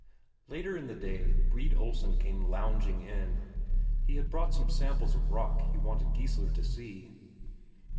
Later in the day Brede Olsen came lounging in; he had brought some samples of rock he wanted Geissler to see.